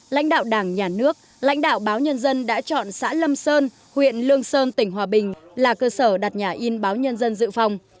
lãnh đạo đảng nhà nước lãnh đạo báo nhân dân đã chọn xã lâm sơn huyện lương sơn tỉnh hòa bình là cơ sở đặt nhà in báo nhân dân dự phòng